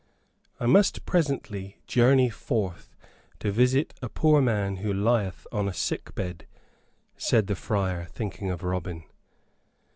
"I must presently journey forth to visit a poor man who lieth on a sick bed," said the friar, thinking of Robin.